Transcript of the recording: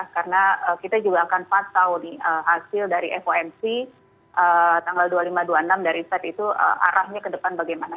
karena kita juga akan patah hasil dari fomc tanggal dua puluh lima dua puluh enam dari saat itu arahnya ke depan bagaimana